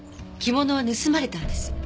着物は盗まれたんです。